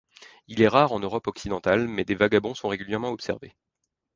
Il est rare en Europe occidentale, mais des vagabonds sont régulièrement observés.